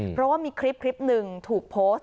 เพราะว่ามีคลิปหนึ่งถูกโพสต์